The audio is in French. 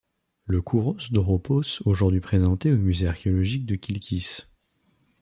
Le kouros d'Europos aujourd'hui présenté au Musée archéologique de Kilkis.